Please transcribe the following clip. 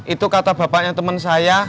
itu kata bapaknya teman saya